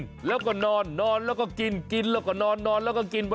นอนแล้วก็นอนนอนแล้วก็กินกินแล้วก็นอนนอนแล้วก็กินไป